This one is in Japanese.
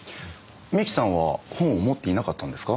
三木さんは本を持っていなかったんですか？